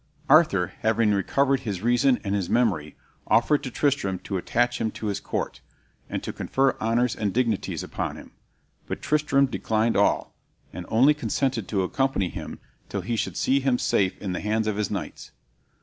Arthur, having recovered his reason and his memory, offered to Tristram to attach him to his court, and to confer honors and dignities upon him; but Tristram declined all, and only consented to accompany him till he should see him safe in the hands of his knights.